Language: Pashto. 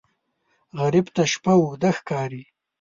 غریب ته شپه اوږده ښکاري